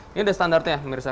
ini sudah standartnya